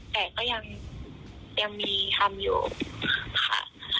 แต่ก็ยังมีทำอยู่ค่ะ